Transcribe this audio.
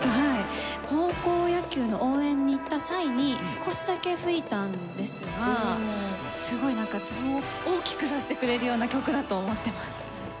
高校野球の応援に行った際に少しだけ吹いたんですがすごいなんか自分を大きくさせてくれるような曲だと思ってます。